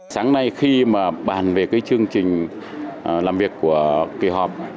sáng nay khi mà bàn về cái chương trình làm việc của kỳ họp